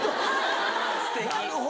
なるほど。